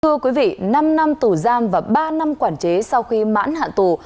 thưa quý vị năm năm tù giam và ba năm quản chế sau khi mãn hạn tù